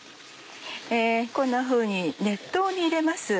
こんなふうに熱湯に入れます。